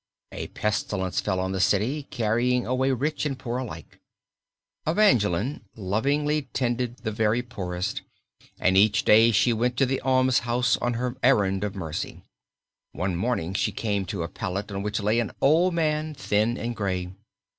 A pestilence fell on the city, carrying away rich and poor alike. Evangeline lovingly tended the very poorest, and each day she went to the almshouse on her errand of mercy. One morning she came to a pallet on which lay an old man, thin and gray.